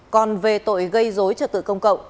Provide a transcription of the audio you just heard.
còn về tội gây dối trực tự công cộng